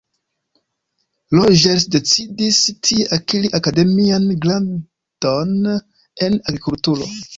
Rogers decidis tie akiri akademian gradon en agrikulturo.